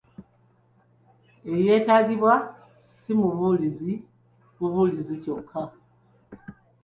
Eyeetaagibwa si mubuulizi bubuulizi kyokka.